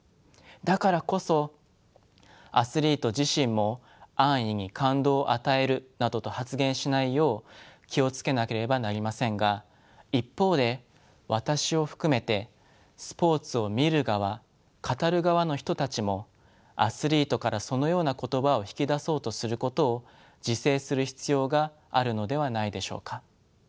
だからこそアスリート自身も安易に「感動を与える」などと発言しないよう気を付けなければなりませんが一方で私を含めてスポーツを「見る側」「語る側」の人たちもアスリートからそのような言葉を引き出そうとすることを自制する必要があるのではないでしょうか。